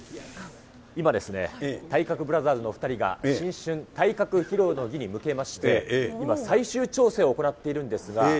今ですね、体格ブラザーズのお２人が、新春体格披露の儀に向けまして、今、最終調整を行っているんですが。